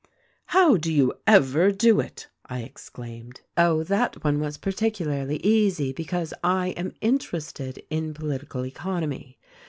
" 'How do you ever do it!' I exclaimed. " 'Oh, that one was particularly easy, because I am in terested in political economy.